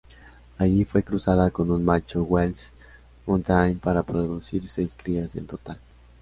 Allí fue cruzada con un macho Welsh Mountain para producir seis crías en total.